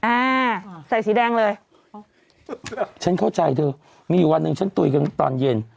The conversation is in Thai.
อ่าใส่สีแดงเลยฉันเข้าใจเธอมีอยู่วันหนึ่งฉันตุ๋ยกันตอนเย็น